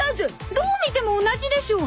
どう見ても同じでしょう！